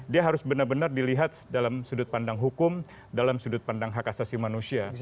dia harus benar benar dilihat dalam sudut pandang hukum dalam sudut pandang hak asasi manusia